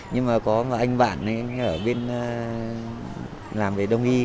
nhưng mà có một anh bạn ở bên làm về đồng y